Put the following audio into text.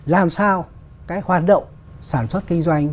làm sao cái hoạt động sản xuất kinh doanh